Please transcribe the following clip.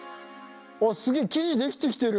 あっすげえ生地できてきてる。